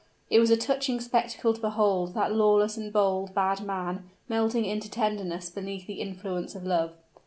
It was a touching spectacle to behold that lawless and bold, bad man melting into tenderness beneath the influence of love!